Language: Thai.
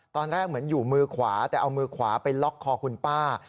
ตอนแรกเหมือนอยู่มือขวาแต่เอามือขวาไปล็อกคอคุณป้า